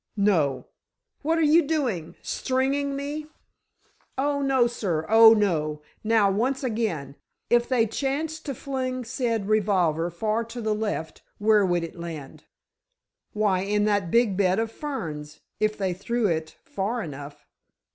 "No. What are you doing? Stringing me?" "Oh, no, sir; oh, no! Now, once again. If they chanced to fling said revolver far to the left, where would it land?" "Why—in that big bed of ferns—if they threw it far enough."